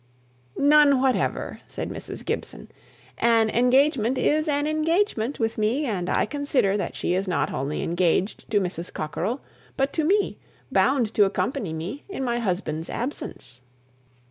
"None whatever," said Mrs. Gibson. "An engagement is an engagement with me; and I consider that she is not only engaged to Mrs. Cockerell, but to me bound to accompany me, in my husband's absence."